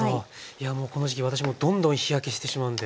いやこの時期私もどんどん日焼けしてしまうので。